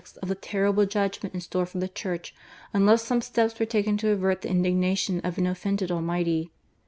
of the terrible judgment in store for the Church unless some steps were taken to avert the indignation of an offended Almighty.